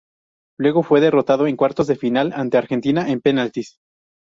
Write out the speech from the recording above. Luego fue derrotado en cuartos de final ante Argentina en penaltis.